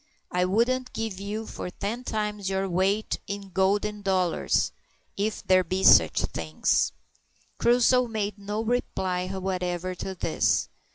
"I wouldn't give you for ten times your weight in golden dollars if there be sich things." Crusoe made no reply whatever to this.